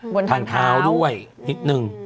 บนทางคาวด้วยนิดนึง